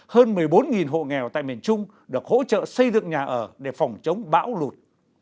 hơn một mươi bốn hộ nghèo tại miền trung được hỗ trợ xây dựng nhà ở để phòng chống bão lụt